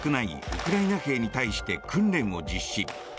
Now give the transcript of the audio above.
ウクライナ兵に対して訓練を実施。